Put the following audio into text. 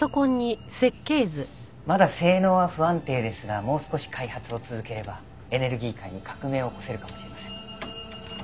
まだ性能は不安定ですがもう少し開発を続ければエネルギー界に革命を起こせるかもしれません。